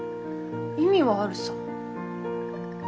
意味はあるさぁ。